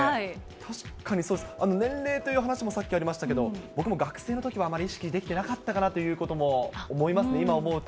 確かにそうですね、年齢という話もさっきありましたけど、僕も学生のときはあまり意識できていなかったなということも思いますね、今思うと。